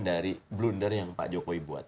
dari blunder yang pak jokowi buat